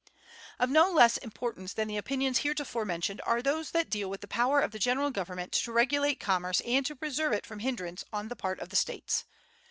Of no less importance than the opinions heretofore mentioned are those that deal with the power of the general government to regulate commerce and to preserve it from hindrance on the part of the States.